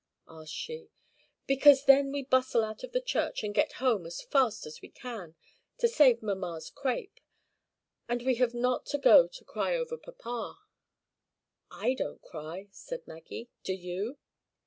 asked she. "Because then we bustle out of church, and get home as fast as we can, to save mamma's crape; and we have not to go and cry over papa." "I don't cry," said Maggie. "Do you?"